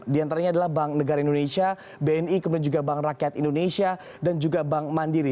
di antaranya adalah bank negara indonesia bni kemudian juga bank rakyat indonesia dan juga bank mandiri